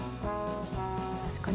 確かに。